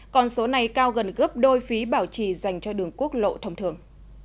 còn số này cao gần gấp đôi phí bảo trì dành cho đường quốc lộ thông thường